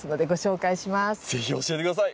是非教えて下さい。